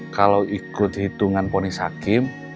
kalau ikut hitungan ponis hakim